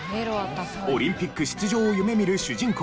オリンピック出場を夢見る主人公